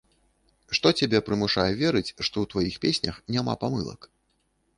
Што цябе прымушае верыць, што ў тваіх песнях няма памылак?